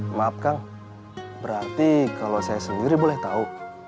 maaf kang berarti kalau saya sendiri boleh tahu